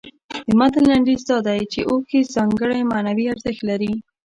د متن لنډیز دا دی چې اوښکې ځانګړی معنوي ارزښت لري.